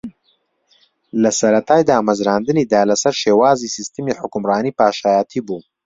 لە سەرەتای دامەزراندنییدا لەسەر شێوازی سیستمی حوکمڕانی پاشایەتی بوو